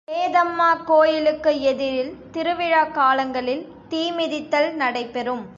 ஹேதம்மா கோயிலுக்கு எதிரில் திருவிழாக்காலங்களில் தீமிதித்தல் நடைபெறும்.